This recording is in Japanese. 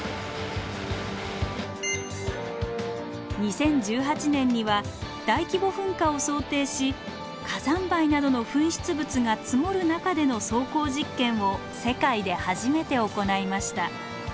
２０１８年には大規模噴火を想定し火山灰などの噴出物が積もる中での走行実験を世界で初めて行いました。